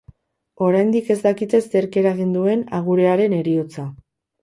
Oraindik ez dakite zerk eragin duen agurearen heriotza.